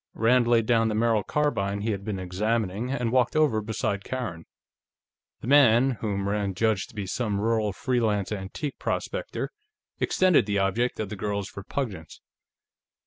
Rand laid down the Merril carbine he had been examining and walked over beside Karen. The man whom Rand judged to be some rural free lance antique prospector extended the object of the girl's repugnance.